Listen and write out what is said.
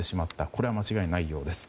これは間違いないようです。